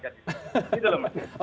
gitu loh mas